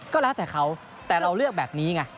ก็แล้วแต่เขาแต่เราเลือกแบบนี้ไง